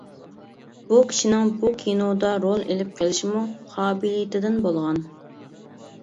بۇ كىشىنىڭ بۇ كىنودا رول ئېلىپ قېلىشىمۇ قابىلىيىتىدىن بولغان.